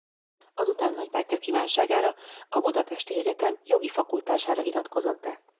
Azután nagybátyja kívánságára a budapesti egyetem jogi fakultására iratkozott be.